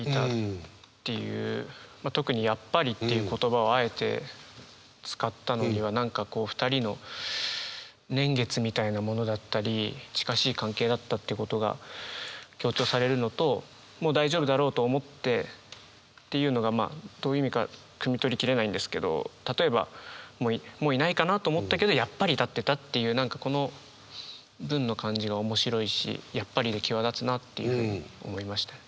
特に「やっぱり」っていう言葉をあえて使ったのには何かこうふたりの年月みたいなものだったり近しい関係だったということが強調されるのと「もう大丈夫だろうと思って」っていうのがまあどういう意味かくみ取り切れないんですけど例えばもういないかなと思ったけどやっぱり立ってたっていう何かこの文の感じが面白いし「やっぱり」で際立つなっていうふうに思いました。